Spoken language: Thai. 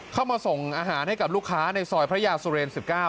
เข้ามาส่งอาหารให้กับลูกค้าในซอยพระยาสุเรน๑๙